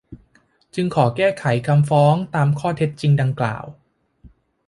จึงขอแก้ไขคำฟ้องตามข้อเท็จจริงดังกล่าว